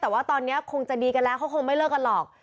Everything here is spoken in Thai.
แต่ว่าตอนนี้คงจะดีกันแล้วเขาคงไม่เลิกกันหรอก